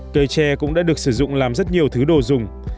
cây tre cũng đã được sử dụng làm rất nhiều thứ đồ dùng